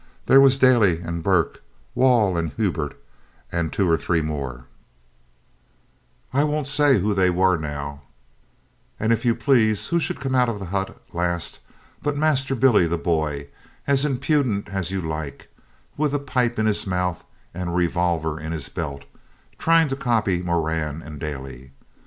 There was Daly and Burke, Wall and Hulbert, and two or three more I won't say who they were now and if you please who should come out of the hut last but Master Billy the Boy, as impudent as you like, with a pipe in his mouth, and a revolver in his belt, trying to copy Moran and Daly.